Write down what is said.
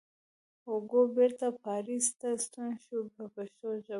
هوګو بېرته پاریس ته ستون شو په پښتو ژبه.